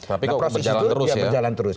tapi kok berjalan terus ya